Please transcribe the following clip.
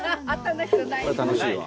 「これは楽しいわ」